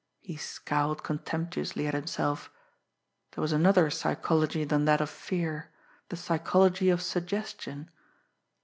He scowled contemptuously at himself. There was another psychology than that of fear the psychology of suggestion.